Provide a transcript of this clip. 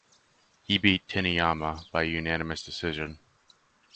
He beat Taniyama by unanimous decision.